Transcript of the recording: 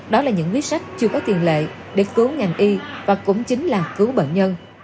đó là những quyết sách chưa có tiền lệ để cứu ngành y và cũng chính là cứu bệnh nhân